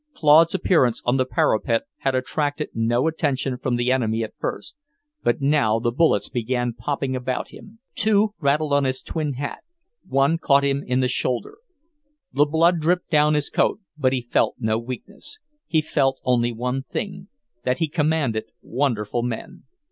Claude's appearance on the parapet had attracted no attention from the enemy at first, but now the bullets began popping about him; two rattled on his tin hat, one caught him in the shoulder. The blood dripped down his coat, but he felt no weakness. He felt only one thing; that he commanded wonderful men.